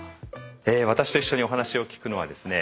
私と一緒にお話を聞くのはですね